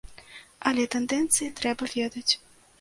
Але тэндэнцыі трэба ведаць.